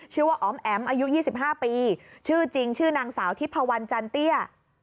ว่าอ๋อมแอ๋มอายุ๒๕ปีชื่อจริงชื่อนางสาวทิพพวันจันเตี้ย